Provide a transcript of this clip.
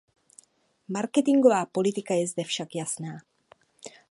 Marketingová politika je zde však jasná.